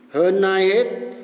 hơn ai hết